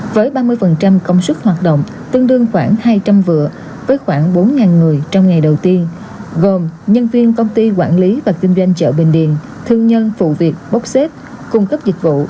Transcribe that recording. với ba mươi công sức hoạt động tương đương khoảng hai trăm linh vựa với khoảng bốn người trong ngày đầu tiên gồm nhân viên công ty quản lý và kinh doanh chợ bình điền thương nhân phụ việc bốc xếp cung cấp dịch vụ